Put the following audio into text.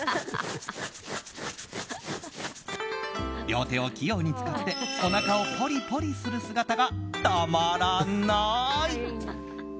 両手を器用に使って、おなかをポリポリする姿がたまらない！